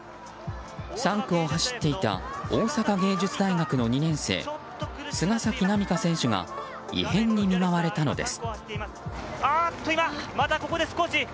３区を走っていた大阪芸術大学の２年生菅崎南花選手が異変に見舞われたのです。